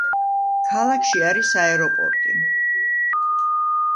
ქალაქში არის აეროპორტი.